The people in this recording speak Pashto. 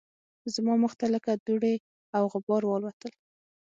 زما مخ ته لکه دوړې او غبار والوتل